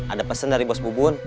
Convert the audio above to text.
ada pesan dari bos bubun